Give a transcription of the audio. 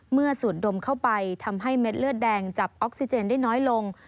สูดดมเข้าไปทำให้เม็ดเลือดแดงจับออกซิเจนได้น้อยลง